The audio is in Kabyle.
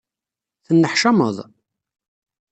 Tenneḥcameḍ?